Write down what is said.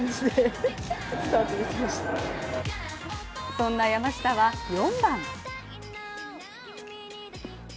そんな山下は、４番。